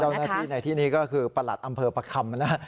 เจ้าหน้าที่ในที่นี้ก็คือประหลัดอำเภอประคำนะ